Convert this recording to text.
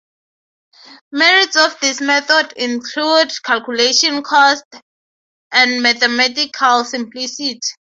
Merits of these methods include low calculation cost and mathematical simplicity.